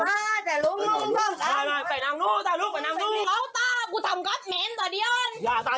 แกนี่แกนมันจะจัดล่าอย่างงี้เลยแกนี่แกนสิครับ